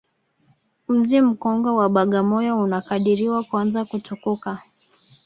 Mji mkongwe wa Bagamoyo unakadiriwa kuanza kutukuka